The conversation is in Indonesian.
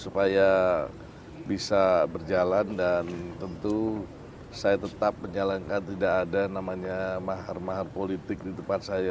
supaya bisa berjalan dan tentu saya tetap menjalankan tidak ada namanya mahar mahar politik di depan saya